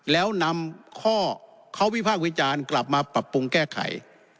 แล้วนำข้อเขาวิพากษ์วิจารณ์กลับมาปรับปรุงแก้ไข